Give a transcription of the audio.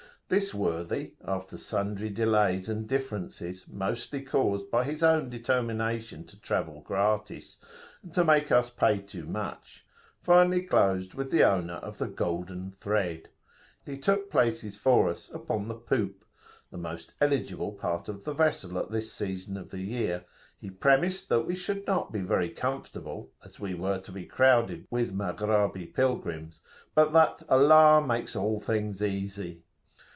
This worthy, after sundry delays and differences, mostly caused by his own determination to travel gratis, and to make us pay too much, finally closed with the owner of the "Golden Thread.[FN#14]" He took places for us upon the poop, the most eligible part of the vessel at this season of the year; he premised that we should not be very comfortable, as we were to be crowded with Maghrabi pilgrims, but that "Allah makes all things easy!"